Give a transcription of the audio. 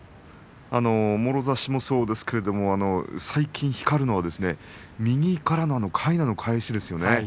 もろ差しもそうですけれども最近光るのは右からかいなの返しです。